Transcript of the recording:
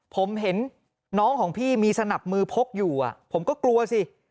ผมเห็นน้องของพี่มีสนับมือพกอยู่ผมก็กลัวสิ